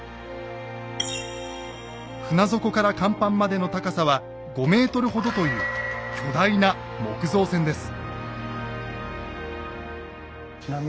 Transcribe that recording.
船底から甲板までの高さは５ｍほどという巨大な木造船です。